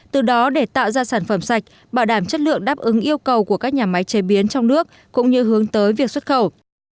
từ đó để tạo ra sản phẩm sạch bảo đảm chất lượng đáp ứng yêu cầu của các nhà máy chế biến trong nước cũng như hướng tới việc xuất khẩu